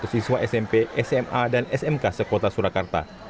siswa smp sma dan smk sekuota surakarta